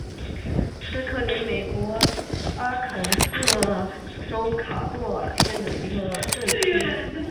富兰克林镇区为位在美国阿肯色州卡洛尔县的镇区。